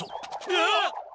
あっ！